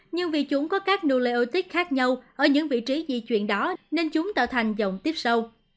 nhưng vì chúng có các nuleotic khác nhau ở những vị trí di chuyển đó nên chúng tạo thành dòng tiếp sâu